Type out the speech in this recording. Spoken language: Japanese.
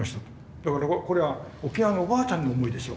だからこれは沖縄のおばあちゃんの思いですよ。